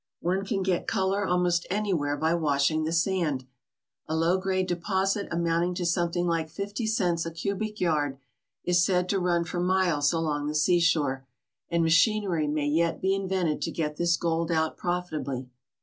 One can get colour almost anywhere by washing the sand. A low grade deposit amounting to something like fifty cents 184 THE CITY OF GOLDEN SANDS a cubic yard is said to run for miles along the seashore, and machinery may yet be invented to get this gold out profit ably.